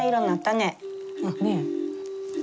ねえ。